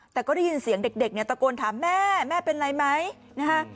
แต่ก็ได้ยินเสียงเด็กเนี่ยตะโกนถามแม่แม่เป็นอะไรไหมนะคะ